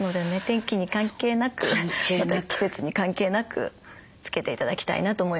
天気に関係なくまた季節に関係なくつけて頂きたいなと思います。